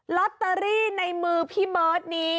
ลอตเตอรี่ในมือพี่เบิร์ตนี้